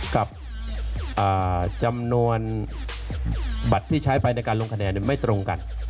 กับจำนวนบัตรที่ใช้ไปในการลงคะแนนไม่ตรงกัน